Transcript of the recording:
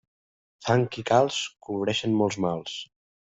Fang i calç cobreixen molts mals.